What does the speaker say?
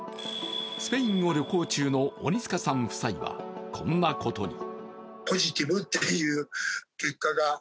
スペインを旅行中の鬼塚さん夫妻はこんなことに。